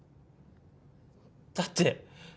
だって